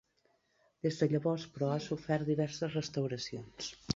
Des de llavors, però, ha sofert diverses restauracions.